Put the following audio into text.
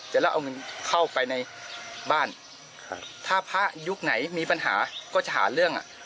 เหลือเอาเขาไปในบ้านครับถ้าพระอยุคไหนมีปัญหาก็จะหาเรื่องอะ